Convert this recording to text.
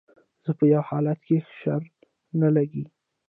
زما په يو حالت کښې شر نه لګي